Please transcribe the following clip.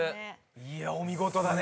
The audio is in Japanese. いやお見事だね